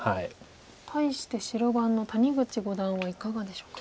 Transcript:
対して白番の谷口五段はいかがでしょうか？